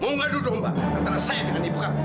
mau ngadu domba antara saya dengan ibu kamu